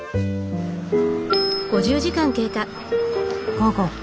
午後。